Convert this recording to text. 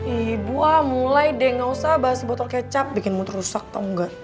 ibu ah mulai deh gak usah bahas botol kecap bikinmu terusak tau gak